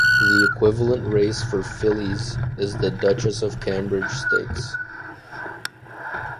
The equivalent race for fillies is the Duchess of Cambridge Stakes.